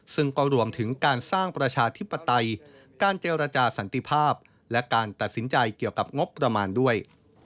ซึ่งก็รวมถึงการสร้างประชาธิปไตยการเจรจาสันติภาพและการตัดสินใจเกี่ยวกับงบประมาณด้วย